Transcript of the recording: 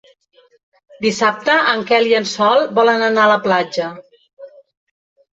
Dissabte en Quel i en Sol volen anar a la platja.